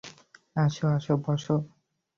আসো আসো, বসো।